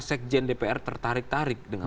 sekjen dpr tertarik tarik dengan